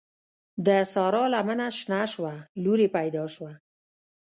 د سارا لمنه شنه شوه؛ لور يې پیدا شوه.